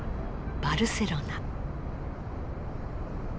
バルセロナ。